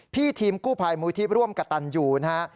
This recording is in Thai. ทีมกู้ภัยมูลที่ร่วมกระตันอยู่นะฮะ